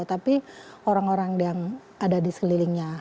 tapi orang orang yang ada di sekelilingnya